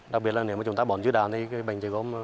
đặc biệt là nếu chúng ta bỏ dư đào thì bệnh chảy gôm